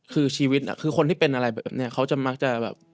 คือชีวิตคือคนที่เป็นอะไรแบบนี้เขาจะมักจะแบบ